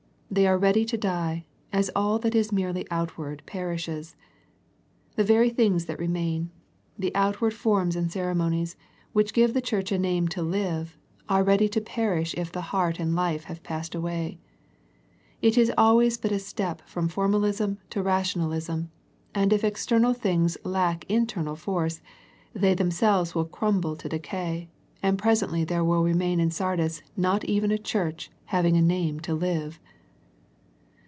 They are ready to die, as all that is merely out ward perishes. The very things that remain, The Sardis Letter 143 the outward forms and ceremonies, which give the church a name to Hve, are ready to perish if the heart and Hfe have passed away. It is always but a step from formalism to rational ism, and if external things lack internal force, they themselves will crumble to decay, and presently there will remain in Sardis not even a church having a name to live.